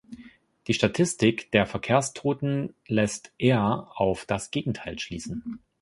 Die Statistik der Verkehrstoten lässt eher auf das Gegenteil schließen.